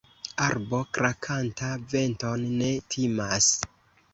Arbo krakanta venton ne timas.